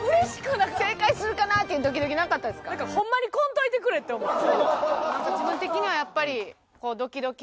ホンマに来んといてくれって思った。